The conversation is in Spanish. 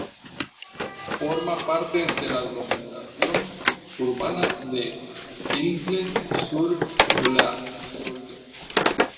Forma parte de la aglomeración urbana de L'Isle-sur-la-Sorgue.